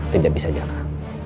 tidak bisa jaka